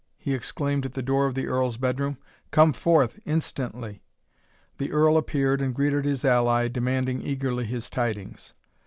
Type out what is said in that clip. he exclaimed at the door of the Earl's bedroom; "come forth instantly." The Earl appeared, and greeted his ally, demanding eagerly his tidings.